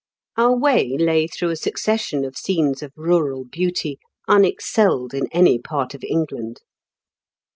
Our way lay through a succession of scenes of rural beauty unexcelled in any part of England.